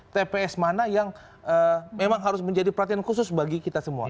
tps mana yang memang harus menjadi perhatian khusus bagi kita semua